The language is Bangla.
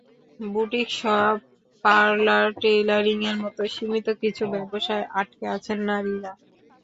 বুটিক শপ, পারলার, টেইলারিংয়ের মতো সীমিত কিছু ব্যবসায় আটকে আছেন নারীরা।